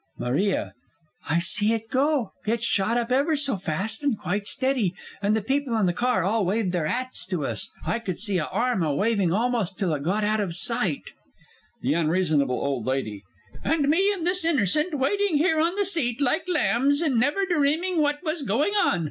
MARIA. I see it go it shot up ever so fast and quite steady, and the people in the car all waved their 'ats to us. I could see a arm a waving almost till it got out of sight. THE U. O. L. And me and this innercent waiting here on the seat like lambs, and never dreaming what was goin' on!